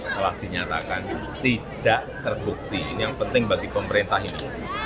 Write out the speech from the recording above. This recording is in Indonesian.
telah dinyatakan tidak terbukti ini yang penting bagi pemerintah ini